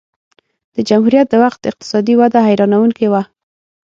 د جمهوریت د وخت اقتصادي وده حیرانوونکې وه.